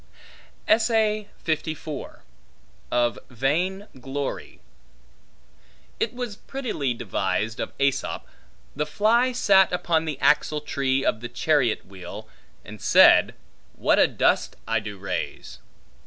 Of Vain glory IT WAS prettily devised of AEsop, The fly sat upon the axle tree of the chariot wheel, and said, What a dust do I raise!